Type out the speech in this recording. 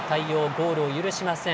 ゴールを許しません。